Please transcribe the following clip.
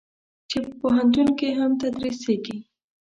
چې په پوهنتون کې هم تدریسېږي.